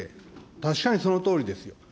確かにそのとおりですよ。